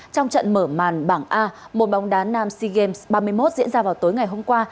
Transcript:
trong trận mở màn bảng a môn bóng đá nam sea games ba mươi một diễn ra vào tối ngày hôm qua